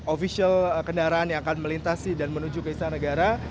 ofisial kendaraan yang akan melintasi dan menuju ke istana negara